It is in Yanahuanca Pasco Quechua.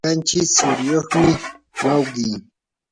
qanchis tsuriyuqmi wawqi.